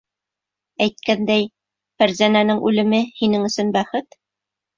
Әйткәндәй, Фәрзәнәнең үлеме һинең өсөн бәхет.